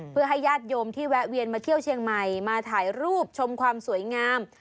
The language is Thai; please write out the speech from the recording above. เพื่อให้ญาติโยมที่แวะเวียนมาเที่ยวเชียงใหม่มาถ่ายรูปชมความสวยงาม